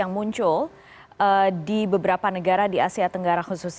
apakah hal hal seperti ini akan terus dipantau oleh pemerintah perkembangan berkaitan dengan virus virus ini